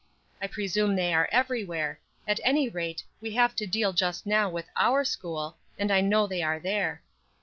I presume they are everywhere; at any rate, we have to deal just now with our school, and I know they are there.